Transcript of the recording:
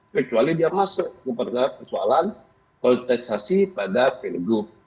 kecuali dia masuk kepada persoalan konteksasi pada pilgrim